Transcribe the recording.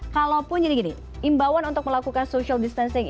kalaupun jadi gini imbauan untuk melakukan social distancing